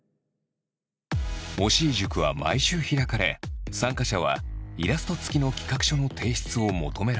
押井塾は毎週開かれ参加者はイラスト付きの企画書の提出を求められた。